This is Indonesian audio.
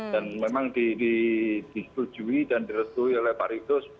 dan memang disetujui dan direstui oleh pak ritus